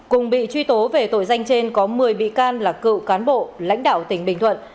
cùng bị truy tố về tội danh trên có một mươi bị can là cựu cán bộ lãnh đạo tỉnh bình thuận